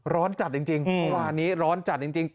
ร้อนจัดจริงจริงเพราะว่านี้ร้อนจัดจริงจริง